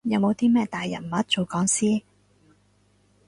有冇啲咩大人物做講師？